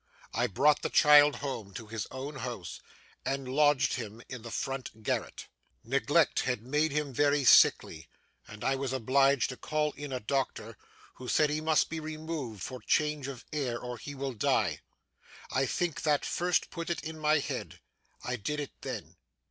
I brought the child home to his own house, and lodged him in the front garret. Neglect had made him very sickly, and I was obliged to call in a doctor, who said he must be removed for change of air, or he would die. I think that first put it in my head. I did it then.